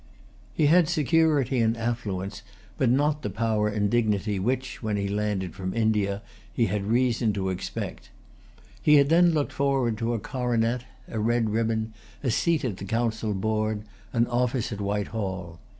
He had security and affluence, but not the power and dignity which, when he landed from India, he had reason to expect. He had then looked forward to a coronet, a red ribbon, a seat at the council board, an office at Whitehall.